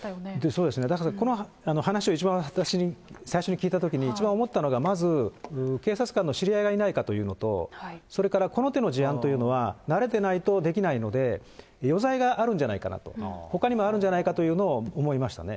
そうですね、だからこの話を一番、私、最初に聞いたときに、一番思ったのがまず警察官の知り合いがいないかというのと、それからこの手の事案というのは慣れてないとできないので、余罪があるんじゃないかと、ほかにもあるんじゃないかというのを思いましたね。